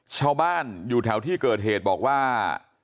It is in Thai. ชาวบ้านอยู่แถวที่เกิดเหตุบอกว่า